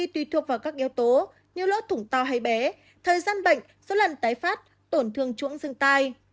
có các yếu tố như lỗ thủng to hay bé thời gian bệnh số lần tái phát tổn thương chuỗng dương tai